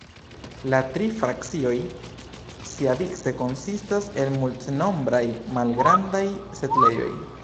La tri frakcioj siavice konsistas el multnombraj malgrandaj setlejoj.